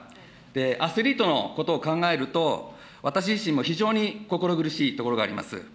アスリートのことを考えると、私自身も非常に心苦しいところがあります。